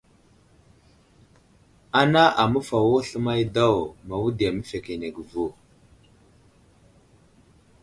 Ana aməfawo sləmay daw mawudiya məfekenege vo.